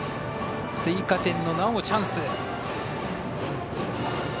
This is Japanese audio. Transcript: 追加点の、なおチャンス。